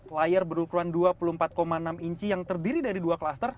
layar berukuran dua puluh empat enam inci yang terdiri dari dua klaster